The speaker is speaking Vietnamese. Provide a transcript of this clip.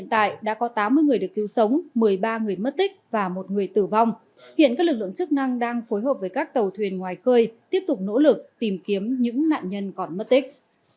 tại đã có tám mươi người được cứu sống một mươi ba người mất tích và một người tử vong hiện các lực lượng chức năng đang phối hợp với các tàu thuyền ngoài cơi tiếp tục nỗ lực tìm kiếm những nạn nhân còn mất tích